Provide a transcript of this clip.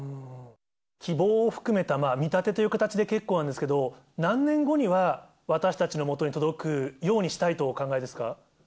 希望を含めた見立てという形で結構なんですけど、何年後には、私たちのもとに届くようにしたいとお考えですか。